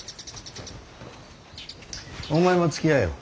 お前もつきあえよ。